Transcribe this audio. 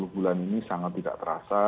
dua puluh bulan ini sangat tidak terasa